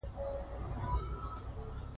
هنرمن د محاکات له لارې خپل پیام رسوي